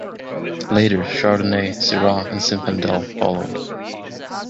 Later, Chardonnay, Syrah, and Zinfandel followed.